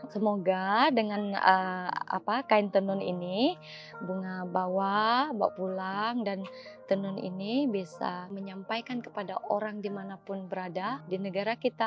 semoga dengan kain tenun ini bunga bawa pulang dan tenun ini bisa menyampaikan kepada orang dimanapun berada di negara kita